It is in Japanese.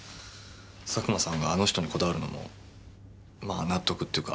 佐久間さんがあの人にこだわるのもまあ納得っていうか。